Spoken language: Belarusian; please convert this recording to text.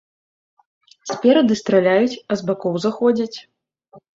Спераду страляюць, а з бакоў заходзяць.